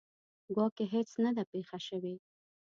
ګواکې هیڅ نه ده پېښه شوې.